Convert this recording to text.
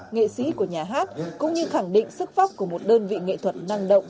nghệ sĩ của nhà hát cũng như khẳng định sức vóc của một đơn vị nghệ thuật năng động